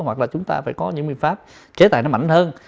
hoặc là chúng ta phải có những biện pháp chế tài nó mạnh hơn